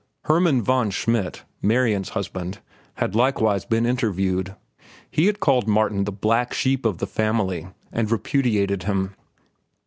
Hermann von Schmidt, Marian's husband, had likewise been interviewed. He had called Martin the black sheep of the family and repudiated him.